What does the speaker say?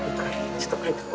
ちょっと書いとこ。